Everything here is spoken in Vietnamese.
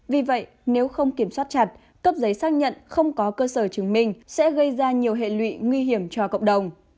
vì vậy nếu không kiểm soát chặt cấp giấy xác nhận không có cơ sở chứng minh sẽ gây ra nhiều hệ lụy nguy hiểm cho cộng đồng